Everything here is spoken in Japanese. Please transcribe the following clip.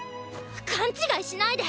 勘違いしないで！